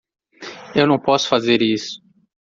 Eu não posso fazer isso.